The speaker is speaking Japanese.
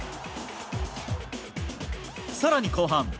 さらに後半。